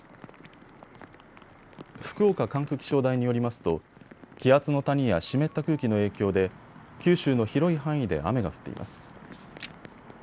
福岡管区気象台によりますと気圧の谷や湿った空気の影響で九州の広い範囲で雨が降っています。